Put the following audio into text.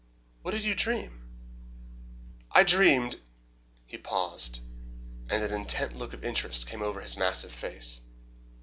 "What did you dream?" "I dreamed " He paused, and an intent look of interest came over his massive face.